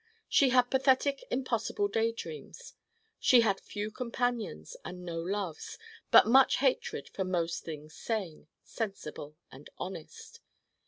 She had pathetic impossible day dreams. She had few companions and no loves but much hatred for most things sane, sensible and honest.